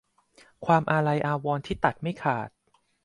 ความอาลัยอาวรณ์ที่ตัดไม่ขาด